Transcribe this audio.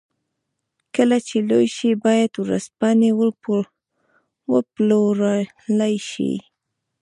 کله چې لوی شي بايد ورځپاڼې وپلورلای شي.